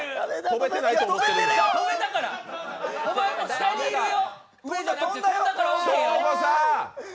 お前、もう下にいるよ。